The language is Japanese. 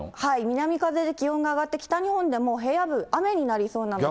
南風で気温が上がって、北日本でも平野部、雨になりそうなんで。